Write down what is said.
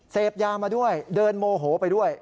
เสพยามาด้วยเดินโมโหไปด้วย